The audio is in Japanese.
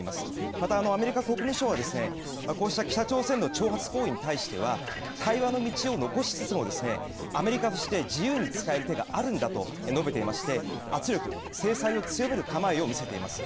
また、アメリカ国務省はこうした北朝鮮の挑発行為に対しては対話の道は残しつつもアメリカとして自由に使える手があるんだと述べていて圧力、制裁を強める構えを見せています。